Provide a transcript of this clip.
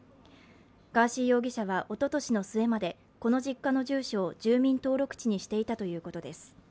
ガーシー容疑者は、おととしの末までこの実家の住所を住民登録地にしていたということです。